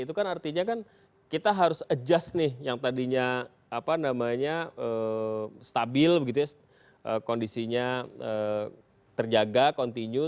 itu kan artinya kan kita harus adjust nih yang tadinya stabil kondisinya terjaga continue